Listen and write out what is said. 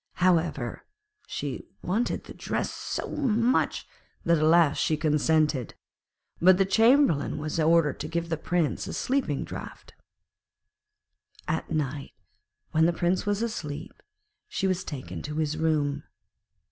However, she wanted the dress so much that at last she consented; but the Chamberlain was ordered to give the Prince a sleeping draught. At night, when the Prince was asleep, she was taken to his room.